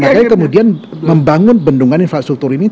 makanya kemudian membangun bendungan infrastruktur ini